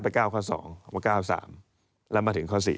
ไปก้าวข้อ๒มาก้าวข้อ๓แล้วมาถึงข้อ๔